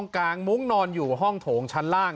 กลางมุ้งนอนอยู่ห้องโถงชั้นล่าง